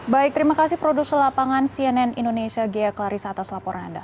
baik terima kasih produser lapangan cnn indonesia ghea klaris atas laporan anda